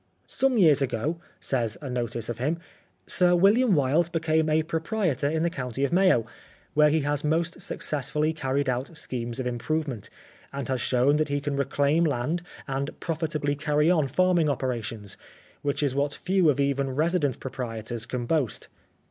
" Some years ago/' says a notice of him, " Sir William Wilde became a proprietor in the county of Mayo, where he has most successfully carried out schemes of improvement, and has shown that he can reclaim land and profitably carry on farming operations, which is what few of even resident proprietors can boast.